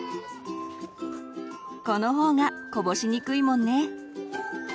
この方がこぼしにくいもんね。